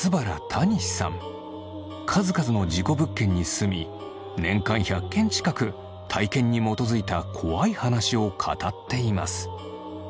数々の事故物件に住み年間１００件近く体験に基づいた怖い話を語っています。